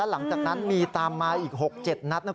หลังจากนั้นมีตามมาอีก๖๗นัดนะ